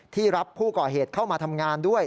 รับผู้ก่อเหตุเข้ามาทำงานด้วย